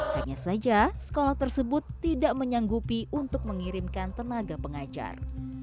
hanya saja sekolah tersebut tidak menyanggupi untuk mengirimkan tenaga pengajar